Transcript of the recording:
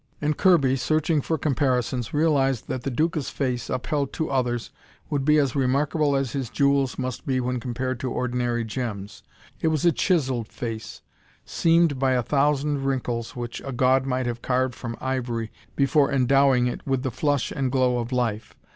And Kirby, searching for comparisons, realized that the Duca's face, upheld to others, would be as remarkable as his jewels must be when compared to ordinary gems. It was a chiseled face, seamed by a thousand wrinkles, which a god might have carved from ivory before endowing it with the flush and glow of life.